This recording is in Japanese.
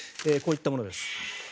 こういったものです。